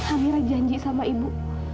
amirah janji sama ibu